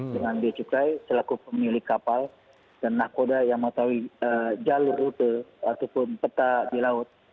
dengan biaya cukai selaku pemilik kapal dan nahkoda yang mengetahui jalur rute ataupun peta di laut